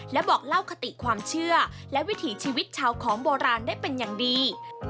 และบอกเล่าคติความเชื่อและวิถีชีวิตชาวของโบราณได้เป็นอย่างดี